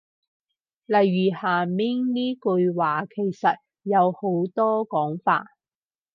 例如下面呢句話其實有好多講法